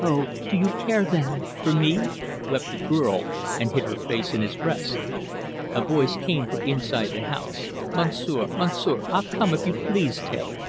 "Oh, do you care, then for me?" wept the girl, and hid her face in his breast. A voice came from inside the house: "Monsieur, Monsieur ah, come, if you please, tailor!"